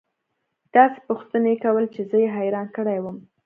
داسې پوښتنې يې كولې چې زه يې حيران كړى وم.